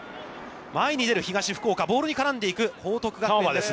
前に出る東福岡、ボールに絡んでいく報徳学園ですが。